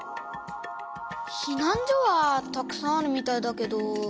ひなん所はたくさんあるみたいだけど。